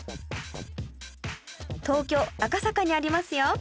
東京赤坂にありますよ